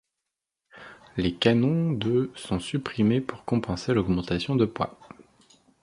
Les canons de sont supprimés pour compenser l'augmentation de poids.